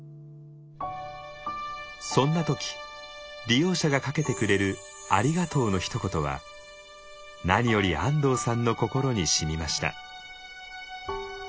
そんな時利用者がかけてくれる「ありがとう」のひと言は何より安藤さんの心にしみました。